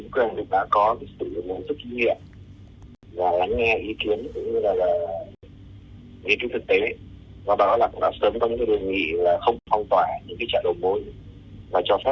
chính quyền đã có sự lưu ý tất nhiên và lắng nghe ý kiến ý kiến thực tế